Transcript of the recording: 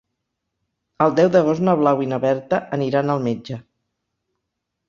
El deu d'agost na Blau i na Berta aniran al metge.